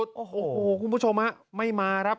ทุกคุณผู้ชมนะไม่มาัรับ